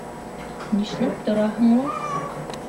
Нишләп тораһың ул?